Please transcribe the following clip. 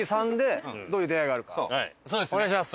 お願いします。